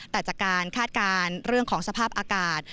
แต่จากการคาดการณ์เรื่องของสภาพอากาศ